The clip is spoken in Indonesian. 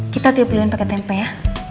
kita tiplin pake tempe ya